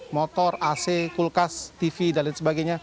motor ac kulkas tv dan lain sebagainya